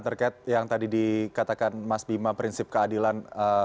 terkait yang tadi dikatakan mas bima prinsip keadilan